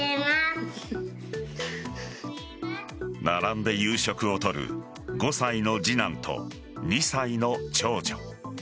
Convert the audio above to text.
並んで夕食をとる５歳の次男と２歳の長女。